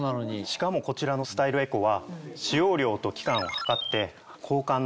しかもこちらのスタイルエコは。